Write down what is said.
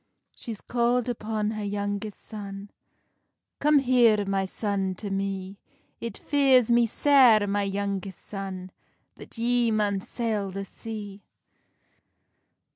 She's calld upon her youngest son: "Come here, my son, to me; It fears me sair, my youngest son, That ye maun sail the sea."